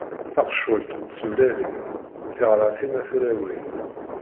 Taqecwalt n tmellalin, tiɣratin a tulawin.